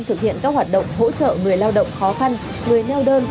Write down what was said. thực hiện các hoạt động hỗ trợ người lao động khó khăn người neo đơn